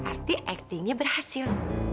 berarti aktingnya berhasil